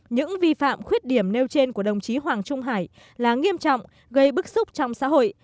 những vi phạm khuyết điểm nêu trên của đồng chí hoàng trung hải là nghiêm trọng gây bức xúc trong xã hội